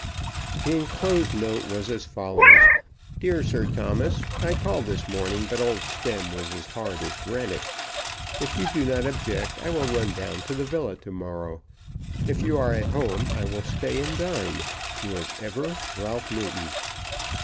The enclosed note was as follows: "Dear Sir Thomas, I called this morning, but old Stemm was as hard as granite. If you do not object I will run down to the villa to morrow. If you are at home I will stay and dine. Yours ever, Ralph Newton."